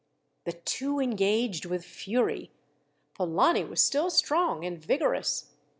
The two engaged with fury. Polani was still strong and vigorous.